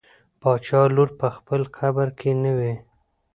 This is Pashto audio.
د باچا لور په خپل قبر کې نه وي.